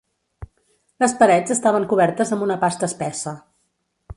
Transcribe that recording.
Les parets estaven cobertes amb una pasta espessa.